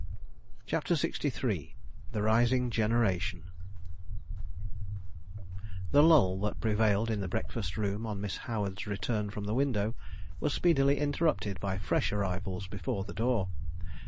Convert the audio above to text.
CHAPTER LXIII THE RISING GENERATION The lull that prevailed in the breakfast room on Miss Howard's return from the window was speedily interrupted by fresh arrivals before the door.